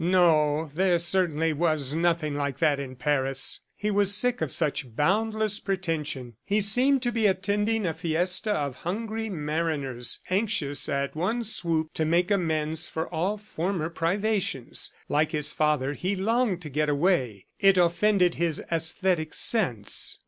"No, there certainly was nothing like that in Paris." He was sick of such boundless pretension. He seemed to be attending a fiesta of hungry mariners anxious at one swoop to make amends for all former privations. Like his father, he longed to get away. It offended his aesthetic sense.